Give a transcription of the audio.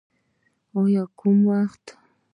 په کم وخت کې.